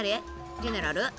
ジェネラル？